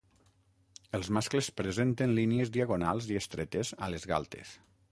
Els mascles presenten línies diagonals i estretes a les galtes.